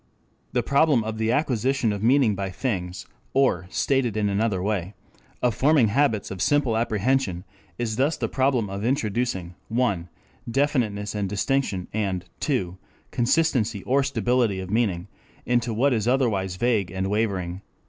The problem of the acquisition of meaning by things, or (stated in another way) of forming habits of simple apprehension, is thus the problem of introducing (1) definiteness and distinction and (2) consistency or stability of meaning into what is otherwise vague and wavering."